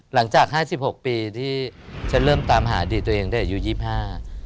หลังจาก๕๖ปีที่ฉันเริ่มตามหาอดีตตัวเองตั้งแต่อายุ๒๕